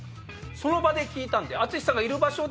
その場で聞いたんで。